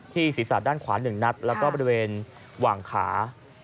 ศีรษะด้านขวา๑นัดแล้วก็บริเวณหว่างขา